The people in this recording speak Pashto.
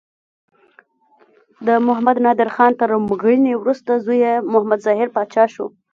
د محمد نادر خان تر مړینې وروسته زوی یې محمد ظاهر پاچا شو.